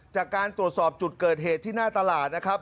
จากการตรวจสอบจุดเกิดเหตุที่หน้าตลาดนะครับ